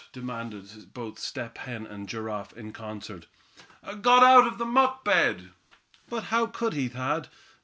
demanded both Step Hen and Giraffe in concert. "Got out of the muck bed." "But how could he, Thad?